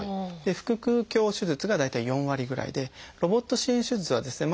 腹腔鏡手術が大体４割ぐらいでロボット支援手術はですね